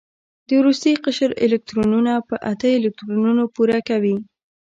د وروستي قشر الکترونونه په اته الکترونونو پوره کوي.